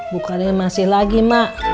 bukannya masih lagi mak